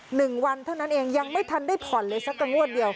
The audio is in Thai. หนึ่งวันเท่านั้นเองยังไม่ทันได้ผ่อนเลยสักกระงวดเดียว